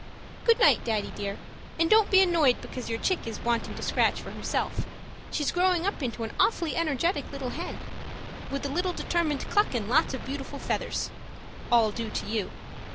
Good night, Daddy dear, and don't be annoyed because your chick is wanting to scratch for herself. She's growing up into an awfully energetic little hen with a very determined cluck and lots of beautiful feathers (all due to you).